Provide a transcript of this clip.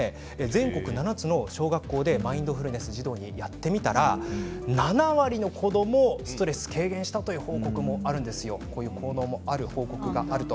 全国７つの小学校でマインドフルネス児童にやってみたら７割の子どもがストレス軽減したという報告もあるんです。